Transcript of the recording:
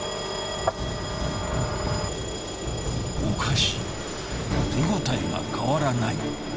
おかしい手応えが変わらない。